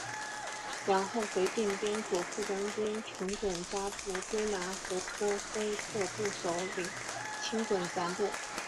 然后随定边左副将军成衮扎布追拿和托辉特部首领青衮咱卜。